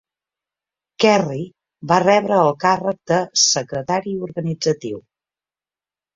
Kerry va rebre el càrrec de "Secretari organitzatiu".